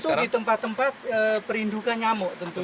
ini tentu di tempat tempat perindukan nyamuk tentunya